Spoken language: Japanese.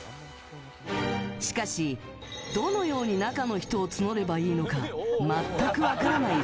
しかし、どのように中の人を募ればいいのか全く分からない